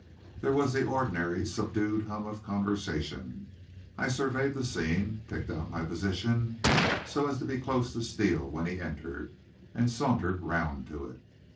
There was the ordinary subdued hum of conversation. I surveyed the scene, picked out my position so as to be close to Steele when he entered, and sauntered round to it.